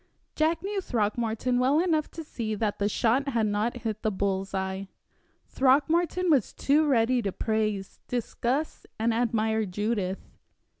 Jack knew Throckmorton well enough to see that the shot had not hit the bull's eye. Throckmorton was too ready to praise, discuss, and admire Judith.